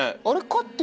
あれ？